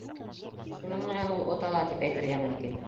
Шуның менән ул ота ла тип әйтергә мөмкин.